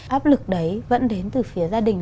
áp lực đấy vẫn đến từ phía gia đình